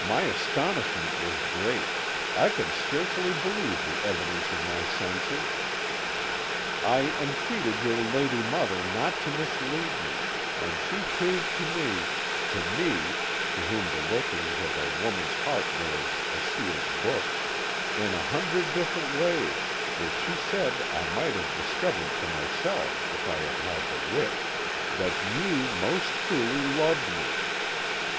My astonishment was great; I could scarcely believe the evidence of my senses. I entreated your lady mother not to mislead me, and she proved to me to me, to whom the workings of a woman's heart were as a sealed book in a hundred different ways, which she said I might have discovered for myself if I had had the wit that you most truly loved me.